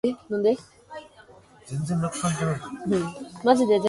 Wooster is a bachelor, a minor aristocrat and member of the idle rich.